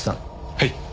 はい。